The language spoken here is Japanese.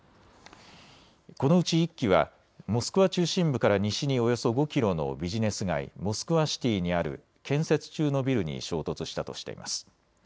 このうち１機はモスクワ中心部から西におよそ５キロのビジネス街、モスクワシティにある建設中のビルに衝突したとしています。